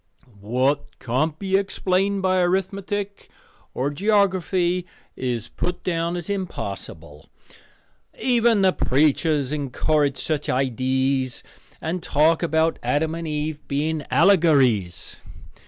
"What can't be explained by arithmetic or geography is put down as impossible. Even the preachers encourage such idees and talk about Adam and Eve being allegories.